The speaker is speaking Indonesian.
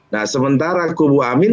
nah sementara kubu amin